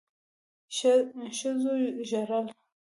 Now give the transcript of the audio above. ښځو ژړل